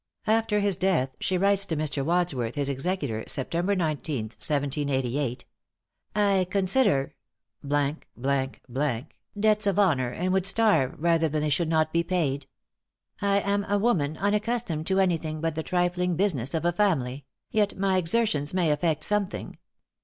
After his death, she writes to Mr. Wadsworth, his executor, September 19th, 1788, "I consider ,,, debts of honor, and would starve, rather than they should not be paid." "I am a woman unaccustomed to anything but the trifling business of a family; yet my exertions may effect something.